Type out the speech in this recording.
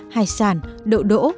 hải sản đậu đỗ